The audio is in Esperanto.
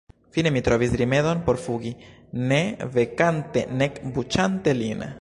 Fine mi trovis rimedon por fugi, ne vekante nek buĉante lin.